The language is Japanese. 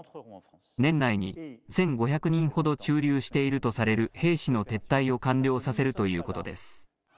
年内に１５００人ほど駐留しているとされる兵士の撤退を完了させるということです。